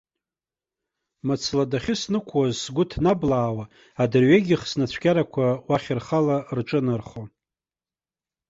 Мыцла дахьыснықәуаз сгәы ҭнаблаауа адырҩегьых снацәкьарақәа уахь рхала рҿынархон.